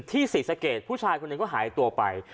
ศรีสะเกดผู้ชายคนหนึ่งก็หายตัวไป